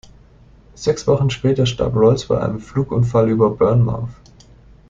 Sechs Wochen später starb Rolls bei einem Flugunfall über Bournemouth.